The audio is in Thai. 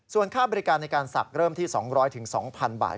ส่วนค่าบริการในการศักดิ์เริ่มที่๒๐๐๒๐๐๐บาท